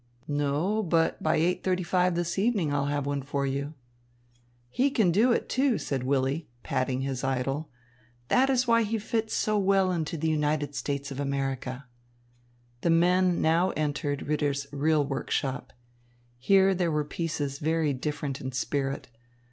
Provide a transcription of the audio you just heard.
"No, but by eight thirty five this evening I will have one for you." "He can do it, too," said Willy, patting his idol. "That is why he fits so well into the United States of America." The men now entered Ritter's real workshop. Here there were pieces very different in spirit.